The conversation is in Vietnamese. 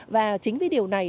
và chính vì điều này